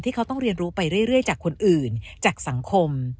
เขาต้องเรียนรู้ไปเรื่อยจากคนอื่นจากสังคม